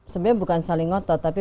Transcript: sebenarnya bukan saling ngotot tapi